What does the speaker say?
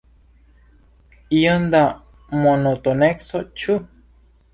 Iom da monotoneco, ĉu?